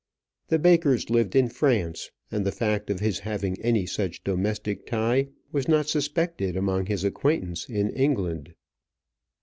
The Bakers lived in France, and the fact of his having any such domestic tie was not suspected among his acquaintance in England.